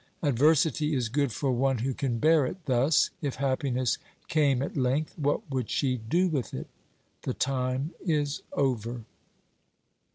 Adversity is good for one who can bear it thus ; if happiness came at length, what would she do with it ? The time is over.